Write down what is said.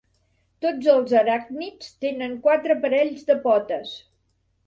Tots els aràcnids tenen quatre parells de potes.